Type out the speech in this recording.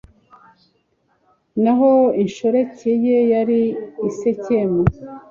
naho inshoreke ye yari i sikemu